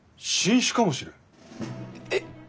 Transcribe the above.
えっ！